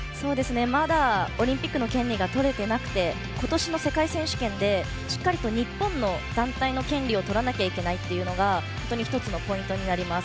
まだオリンピックの権利が取れていなくて今年の世界選手権でしっかりと日本の団体の権利を取らないといけないというのが本当に１つのポイントになります。